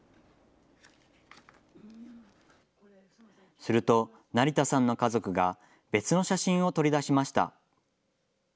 すると成田さんの家族が別の写真を取り出しました。